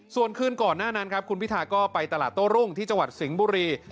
ส่วนคืนก่อนหน้านั้นครับคุณพิธาก็ไปตลาดโต้รุ่งที่จังหวัดสิงห์บุรี